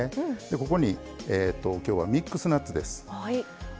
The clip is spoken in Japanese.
でここに今日はミックスナッツです。